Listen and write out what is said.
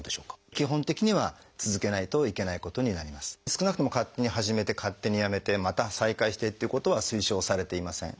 少なくとも勝手に始めて勝手にやめてまた再開してっていうことは推奨されていません。